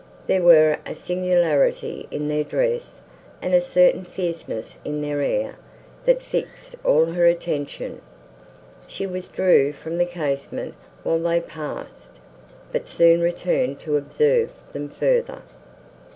There was a singularity in their dress, and a certain fierceness in their air, that fixed all her attention. She withdrew from the casement, while they passed, but soon returned to observe them further.